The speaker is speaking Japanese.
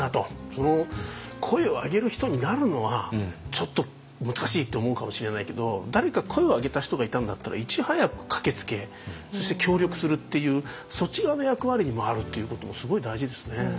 その声を上げる人になるのはちょっと難しいと思うかもしれないけど誰か声を上げた人がいたんだったらいち早く駆けつけそして協力するっていうそっち側の役割に回るっていうこともすごい大事ですね。